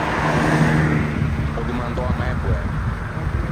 Ò domandou à mæ poæ.